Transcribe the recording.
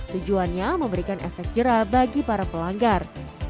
tujuannya memberikan efek jerah bagi para pelanggar